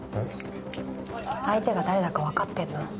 相手が誰だかわかってんの？